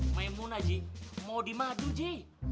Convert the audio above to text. memuna ji mau dimadu ji